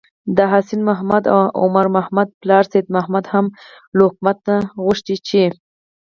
د حسين محمد او عمر محمد پلار سيد محمد هم له حکومته غوښتي چې: